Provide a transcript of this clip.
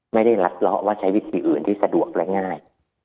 ไม่ได้รัดเลาะว่าใช้วิธีอื่นที่สะดวกและง่าย